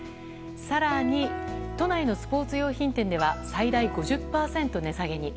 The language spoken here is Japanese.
更に、都内のスポーツ用品店では最大５０％値下げに。